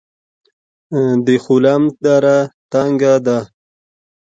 د خلم دره تنګه ده